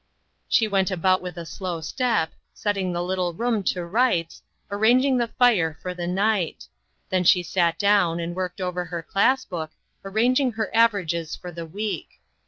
She went about with a slow step, setting the little room to rights, arranging the fire for the night; then she sat down and worked over her class book, arranging her averages for the week.